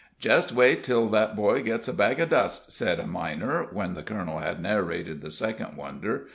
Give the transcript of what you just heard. "Jest wait till that boy gets a bag of dust," said a miner, when the colonel had narrated the second wonder.